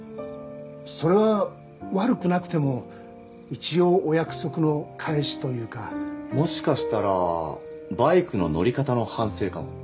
それは悪くなくても一応お約束の返しというかもしかしたらバイクの乗り方の反省かも？